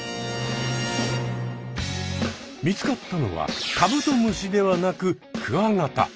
見つかったのはカブトムシではなくクワガタ。